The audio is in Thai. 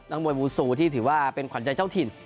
มวยบูซูที่ถือว่าเป็นขวัญใจเจ้าถิ่น